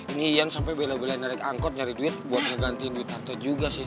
ini iyan sampe bela bela naik angkot nyari duit buat ngegantiin duit tante juga sih